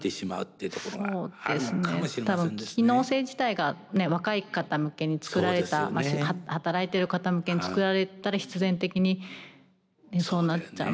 多分機能性自体が若い方向けに作られた働いてる方向けにつくられたら必然的にそうなっちゃうのかもしれないですね。